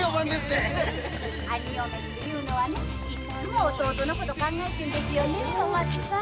兄嫁っていうのはいっつも弟のこと考えてんですよねぇ？